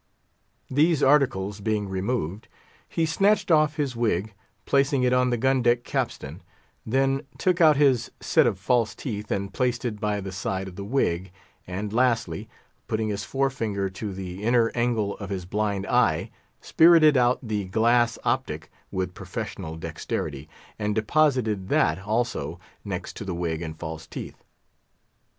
These articles being removed, he snatched off his wig, placing it on the gun deck capstan; then took out his set of false teeth, and placed it by the side of the wig; and, lastly, putting his forefinger to the inner angle of his blind eye, spirited out the glass optic with professional dexterity, and deposited that, also, next to the wig and false teeth.